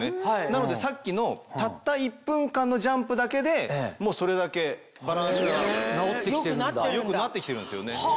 なのでさっきのたった１分間のジャンプだけでそれだけバランスが良くなって来てるんですよね。